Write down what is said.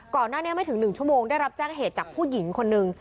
ก่อนหน้านี้ไม่ถึง๑ชั่วโมงได้รับแจ้งเหตุจากผู้หญิงคนนึง